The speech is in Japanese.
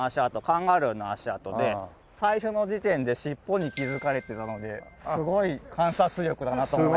カンガルーの足跡で最初の時点で尻尾に気付かれてたのですごい観察力だなと思います。